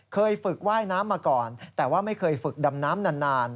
ฝึกว่ายน้ำมาก่อนแต่ว่าไม่เคยฝึกดำน้ำนาน